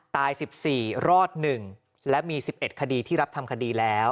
ตาย๑๔รอด๑และมี๑๑คดีที่รับทำคดีแล้ว